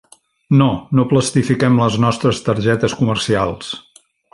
No, no plastifiquem les nostres targetes comercials.